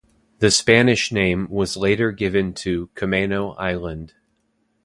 The Spanish name was later given to Camano Island.